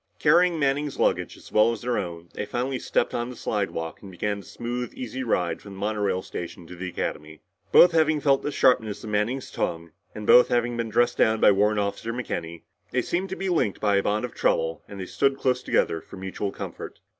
Carrying Manning's luggage as well as their own, they finally stepped on the slidewalk and began the smooth easy ride from the monorail station to the Academy. Both having felt the sharpness of Manning's tongue, and both having been dressed down by Warrant Officer McKenny, they seemed to be linked by a bond of trouble and they stood close together for mutual comfort.